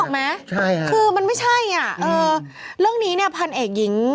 ไหมใช่อ่ะคือมันไม่ใช่อ่ะเออเรื่องนี้เนี่ยพันเอกหญิง